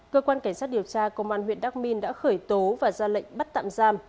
cơ quan cảnh sát điều tra công an huyện đắk minh đã khởi tố và ra lệnh bắt tạm giam